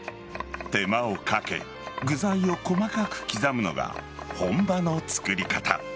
手間をかけ具材を細かく刻むのが本場の作り方。